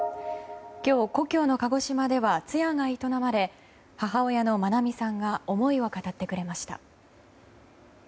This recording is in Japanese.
今日、故郷の鹿児島では通夜が営まれ母親のまなみさんが思いを語ってくれました。